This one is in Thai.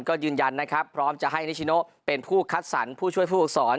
ก็ยืนยันนะครับพร้อมจะให้นิชิโนเป็นผู้คัดสรรผู้ช่วยผู้ฝึกสอน